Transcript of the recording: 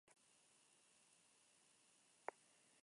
Los tallos son erectos, poco o muy ramificados.